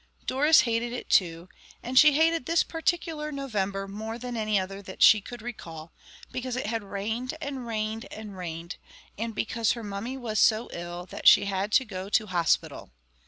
Doris hated it too, and she hated this particular November more than any other that she could recall, because it had rained and rained and rained, and because her mummy was so ill that she had had to go to hospital.